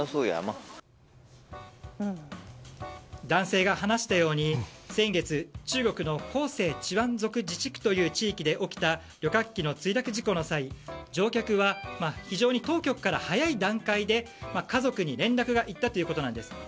男性が話したように先月中国の広西チワン族自治区という地域で起きた旅客機の墜落事故の際乗客は非常に当局から早い段階で家族に連絡がいったということです。